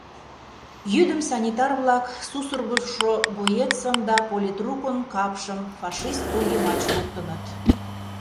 Йӱдым санитар-влак сусыргышо боецым да политрукын капшым фашист тул йымач луктыныт.